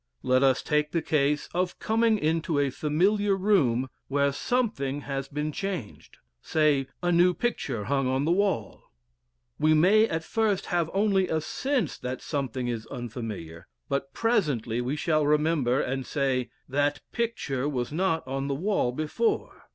Let us take the case of coming into a familiar room where something has been changed say a new picture hung on the wall. We may at first have only a sense that SOMETHING is unfamiliar, but presently we shall remember, and say "that picture was not on the wall before."